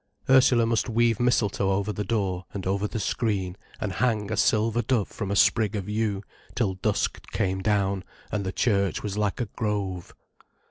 Ursula must weave mistletoe over the door, and over the screen, and hang a silver dove from a sprig of yew, till dusk came down, and the church was like a grove.